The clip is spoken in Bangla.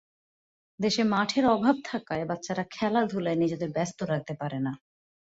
দেশে মাঠের অভাব থাকায় বাচ্চারা খেলাধুলায় নিজেদের ব্যস্ত রাখতে পারে না।